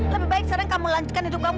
lebih baik sekarang kamu lanjutkan hidup kamu